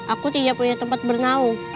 aku tidak punya tempat bernau